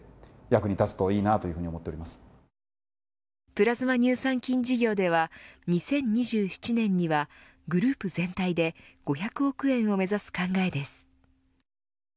プラズマ乳酸菌事業では２０２７年にはグループ全体で５００億円を目指す考えです。